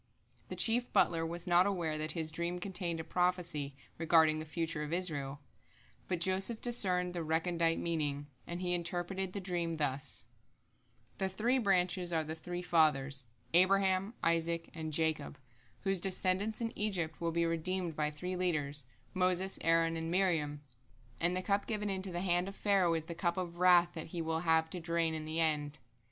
The chief butler was not aware that his dream contained a prophecy regarding the future of Israel, but Joseph discerned the recondite meaning, and he interpreted the dream thus: The three branches are the three Fathers, Abraham, Isaac, and Jacob, whose descendants in Egypt will be redeemed by three leaders, Moses, Aaron, and Miriam; and the cup given into the hand of Pharaoh is the cup of wrath that he will have to drain in the end.